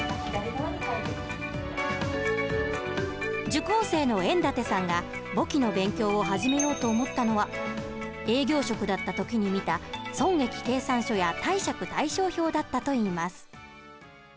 受講生の円舘さんが簿記の勉強を始めようと思ったのは営業職だった時に見た損益計算書や貸借対照表だったと言います。